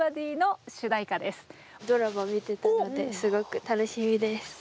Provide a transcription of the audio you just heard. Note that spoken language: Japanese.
ドラマ見てたのですごく楽しみです。